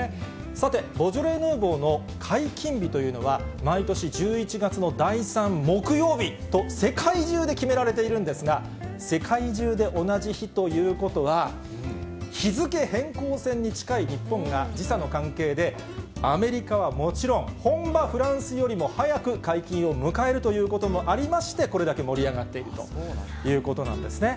さて、ボジョレ・ヌーボーの解禁日というのは、毎年１１月の第３木曜日と、世界中で決められているんですが、世界中で同じ日ということは、日付変更線に近い日本が、時差の関係でアメリカはもちろん、本場フランスよりも早く解禁を迎えるということもありまして、これだけ盛り上がっているということなんですね。